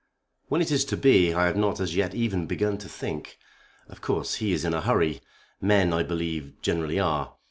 "When it is to be I have not as yet even begun to think. Of course he is in a hurry. Men, I believe, generally are.